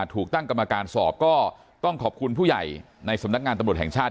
ถูกตั้งกรรมการสอบก็ต้องขอบคุณผู้ใหญ่ในสำนักงานตำรวจแห่งชาติ